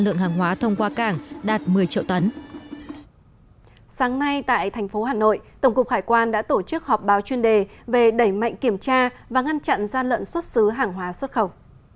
sáng nay tại thành phố hà nội tổng cục hải quan đã tổ chức họp báo chuyên đề về đẩy mạnh kiểm tra và ngăn chặn gian lận xuất xứ hàng hóa xuất khẩu